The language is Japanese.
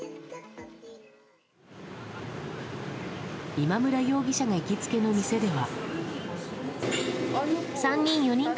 今村容疑者が行きつけの店では。